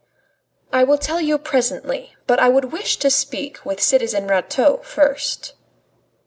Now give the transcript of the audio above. "I will tell you presently. But I would wish to speak with citizen Rateau first."